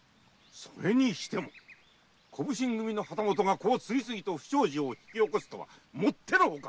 それにしても小普請組の旗本がこう次々と不祥事を起こすとはもってのほか！